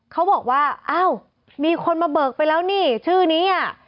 เขาบอกว่าอ้าวมีคนมาเบิกไปแล้วนี่ชื่อนี้อ่ะ